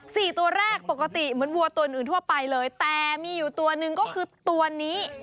สี่ตัวแรกปกติเหมือนวัวตัวอื่นอื่นทั่วไปเลยแต่มีอยู่ตัวหนึ่งก็คือตัวนี้